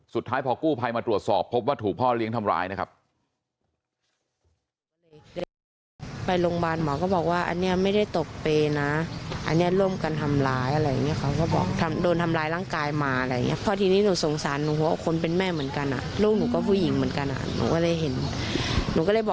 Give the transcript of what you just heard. สุดท้ายพอกู้ภัยมาตรวจสอบพบว่าถูกพ่อเลี้ยงทำร้ายนะครับ